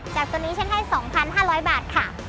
จากตัวนี้ฉันให้๒๕๐๐บาทค่ะ